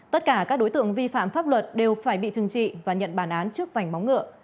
tất cả các đối tượng vi phạm pháp luật đều phải bị trừng trị và nhận bản án trước vành móng ngựa